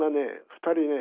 ２人ね